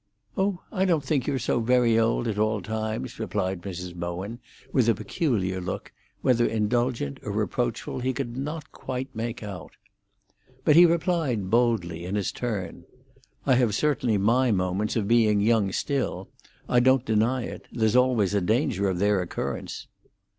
"Oh, I don't think you're so very old, at all times," replied Mrs. Bowen, with a peculiar look, whether indulgent or reproachful he could not quite make out. But he replied, boldly, in his turn: "I have certainly my moments of being young still; I don't deny it. There's always a danger of their occurrence."